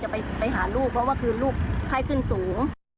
ไปหาลูกเพราะว่าคือลูกไข้ขึ้นสูง